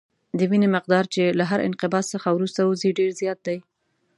د وینې مقدار چې له هر انقباض څخه وروسته وځي ډېر زیات دی.